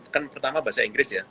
kan pertama bahasa inggris ya